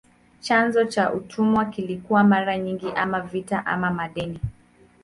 Chanzo cha utumwa kilikuwa mara nyingi ama vita ama madeni.